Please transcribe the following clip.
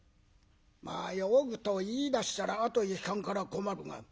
「まあ酔うと言いだしたらあとへ引かんから困るな。